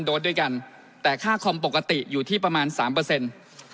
โดสด้วยกันแต่ค่าคอมปกติอยู่ที่ประมาณสามเปอร์เซ็นต์